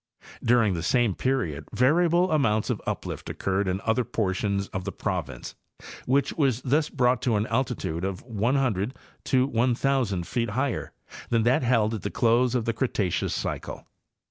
During the same period variable amounts of uplift occurred in other portions of the province, which was thus brought to an altitude from 109 to 1,000 feet higher than that held at the close of the Cretaceous cycle.